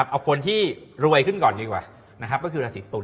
เอาคนที่รวยขึ้นก่อนดีกว่านะครับก็คือราศีตุล